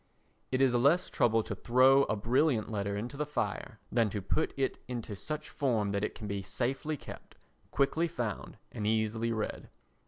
It is less trouble to throw a brilliant letter into the fire than to put it into such form that it can be safely kept, quickly found and easily read.